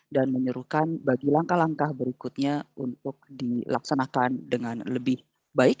dan menyuruhkan bagi langkah langkah berikutnya untuk dilaksanakan dengan lebih baik